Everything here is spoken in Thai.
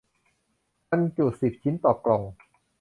บรรจุสิบชิ้นต่อกล่อง